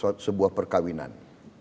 saya hadir di sebuah perkawinan